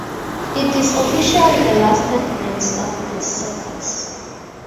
It is officially the last performance of the circus.